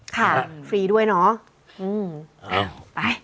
ค่ะฟรีด้วยเนาะไป